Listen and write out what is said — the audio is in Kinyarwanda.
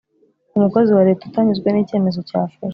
Umukozi wa Leta utanyuzwe n icyemezo cyafashwe